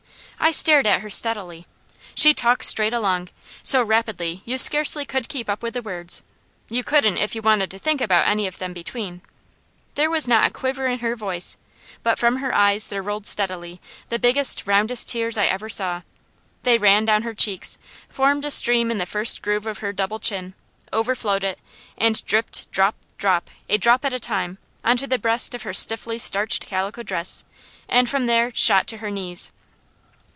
I stared at her steadily. She talked straight along, so rapidly you scarcely could keep up with the words; you couldn't if you wanted to think about them any between. There was not a quiver in her voice, but from her eyes there rolled, steadily, the biggest, roundest tears I ever saw. They ran down her cheeks, formed a stream in the first groove of her double chin, overflowed it, and dripped drop, drop, a drop at a time, on the breast of her stiffly starched calico dress, and from there shot to her knees.